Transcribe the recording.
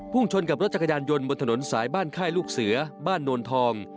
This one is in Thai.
ชนกับรถจักรยานยนต์บนถนนสายบ้านค่ายลูกเสือบ้านโนนทอง